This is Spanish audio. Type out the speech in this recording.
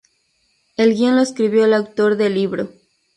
El guion lo escribió el autor del libro.